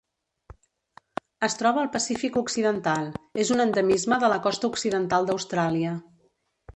Es troba al Pacífic occidental: és un endemisme de la costa occidental d'Austràlia.